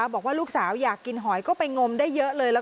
บอกว่าลูกสาวอยากกินหอยก็ไปงมได้เยอะเลย